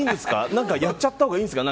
何かやっちゃったほうがいいんですか？